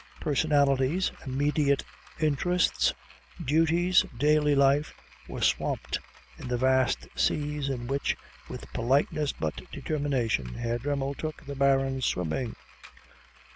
Personalities, immediate interests, duties, daily life, were swamped in the vast seas in which, with politeness but determination, Herr Dremmel took the Baron swimming.